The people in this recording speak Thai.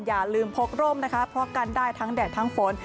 อย่าลืมพกร่มนะคะเพราะกันได้ทั้งแดดทั้งฝน